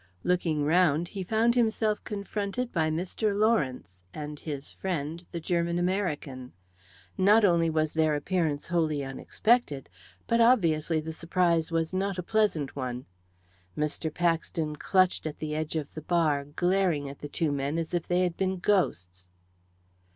Looking round he found himself confronted by Mr. Lawrence and his friend the German American. Not only was their appearance wholly unexpected, but obviously the surprise was not a pleasant one. Mr. Paxton clutched at the edge of the bar, glaring at the two men as if they had been ghosts.